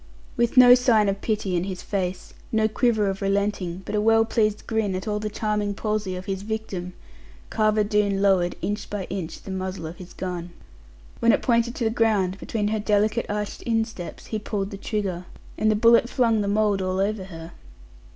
With no sign of pity in his face, no quiver of relenting, but a well pleased grin at all the charming palsy of his victim, Carver Doone lowered, inch by inch, the muzzle of his gun. When it pointed to the ground, between her delicate arched insteps, he pulled the trigger, and the bullet flung the mould all over her.